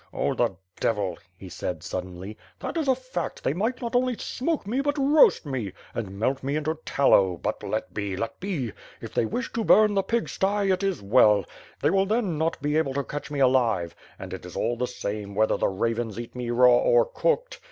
"Oh, the devil," he said 488 ^^^^ ^"t^B ^^^ HVfORD. suddenly, "that is a fact, they might not only smoke me but roast me, and melt me into tallow, but let be, let be! If they wish to burn the pig sty — ^it is well. They will then not be able to catch me aUve; and it is all the same, whether the i avens eat me raw or cooked.